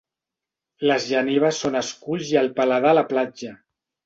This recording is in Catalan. Les genives són esculls i el paladar la platja.